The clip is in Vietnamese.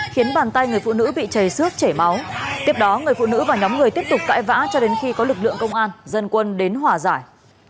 khiến bàn tay người phụ nữ bị chảy xước chảy máu tiếp đó người phụ nữ và nhóm người tiếp tục cãi vã cho đến khi có lực lượng công an dân quân đến hòa giải